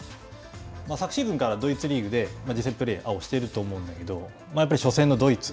昨シーズンからドイツリーグで実際プレーをしていると思うんだけどやっぱり初戦のドイツ。